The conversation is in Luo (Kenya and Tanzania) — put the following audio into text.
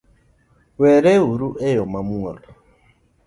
Wereuru eyo mamuol